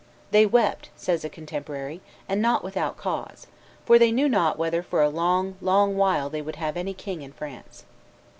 "They wept," says a contemporary, "and not without cause, for they knew not whether for a long, long while they would have any king in France."